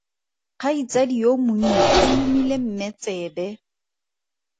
Kgaitsadi yo monnye o lomile mme tsebe.